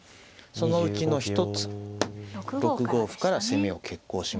そのうちの一つ６五歩から攻めを決行しました。